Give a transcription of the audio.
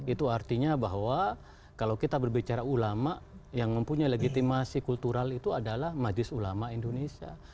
itu artinya bahwa kalau kita berbicara ulama yang mempunyai legitimasi kultural itu adalah majlis ulama indonesia